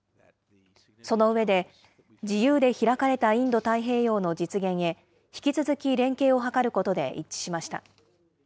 その上で、自由で開かれたインド太平洋の実現へ、引き続き連携を図ることで一致しました。